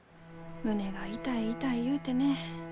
胸が痛い痛い言うてね。